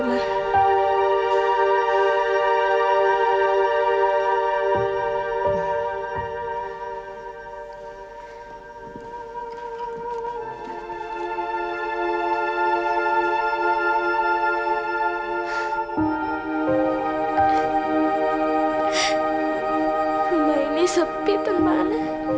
ma ini sepi teman